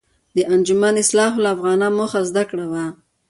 د انجمن اصلاح الافاغنه موخه زده کړه وه.